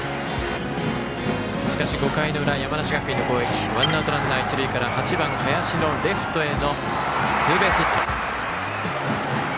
しかし、５回の裏山梨学院の攻撃ワンアウト、ランナー、一塁から８番、林のレフトへのツーベースヒット。